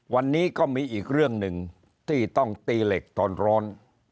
วันนี้ก็มีอีกเรื่องหนึ่งที่ต้องตีเหล็กตอนร้อน